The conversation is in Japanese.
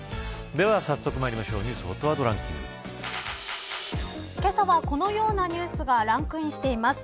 では早速まいりましょうニュースＨＯＴワードけさは、このようなニュースがランクインしています。